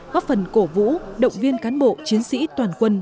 góp phần cổ vũ động viên cán bộ chiến sĩ toàn quân